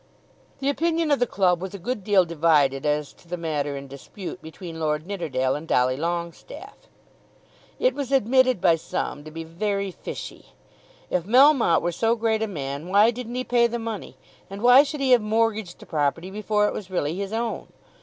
The opinion of the club was a good deal divided as to the matter in dispute between Lord Nidderdale and Dolly Longestaffe. It was admitted by some to be "very fishy." If Melmotte were so great a man why didn't he pay the money, and why should he have mortgaged the property before it was really his own?